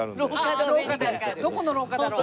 どこの廊下だろう？